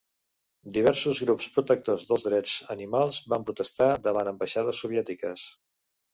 Diversos grups protectors dels drets animals van protestar davant ambaixades soviètiques.